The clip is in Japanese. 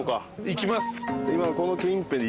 行きます。